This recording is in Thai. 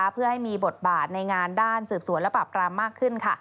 เพื่อให้มีบทบาทในงานด้านสืบสวนและปราบกรามมากขึ้น